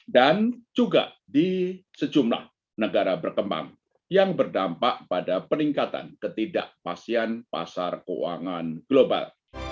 dan juga di sejumlah negara berkembang yang berdampak pada peningkatan ketidakpastian pasar keuangan global